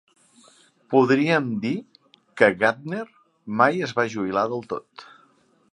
Podríem dir que Gardner mai es va jubilar del tot.